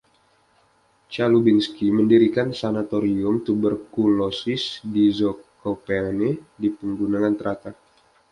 Chałubiński mendirikan sanatorium tuberkulosis di Zakopane, di Pegunungan Tatra.